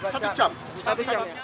sekitar satu jam